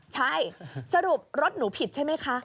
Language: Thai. ใช่สรุปรถหนูผิดใช่ไหมคะ